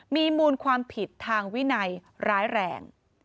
มีมูลความผิดทางวินัยร้ายแรง